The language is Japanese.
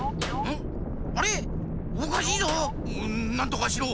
んなんとかしろ！